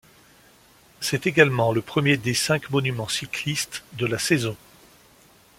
C'est également le premier des cinq monuments cyclistes de la saison.